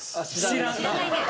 知らないね。